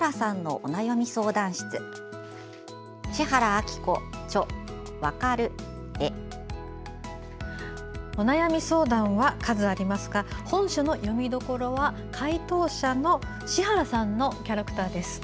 お悩み相談は数ありますが本書の読みどころは回答者の紫原さんのキャラクターです。